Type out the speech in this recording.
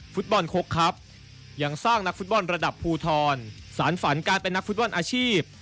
ฟุตบอลคกครับยังสร้างนักฟุตบอลระดับภูทรสารฝันการเป็นนักฟุตบอลอาชีพ